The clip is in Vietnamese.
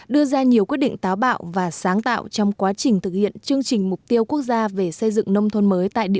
đưa ra nhiều quyết định táo bạo và sáng tạo trong quá trình thực hiện chương trình mục tiêu quốc gia về sản xuất